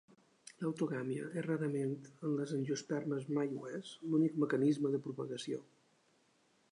L'autogàmia és rarament, en les angiospermes mai ho és, l'únic mecanisme de propagació.